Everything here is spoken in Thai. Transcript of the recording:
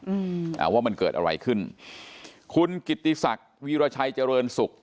อืมอ่าว่ามันเกิดอะไรขึ้นคุณกิติศักดิ์วีรชัยเจริญสุข